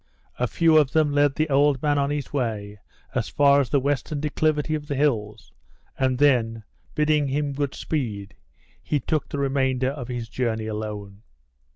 A few of them led the old man on his way, as far as the western declivity of the hills, and then, bidding him good speed, he took the remainder of his journey alone.